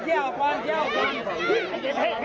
เดี๋ยวเคียวออกก่อน